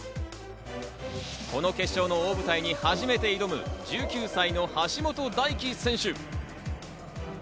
この決勝の大舞台に初めて挑む、１９歳の橋本大輝選手。